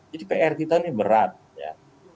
jadi pr kita ini berat ya